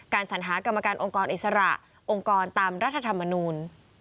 สัญหากรรมการองค์กรอิสระองค์กรตามรัฐธรรมนูล